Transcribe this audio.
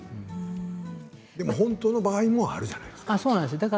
でも本当の場合もあるじゃないですか。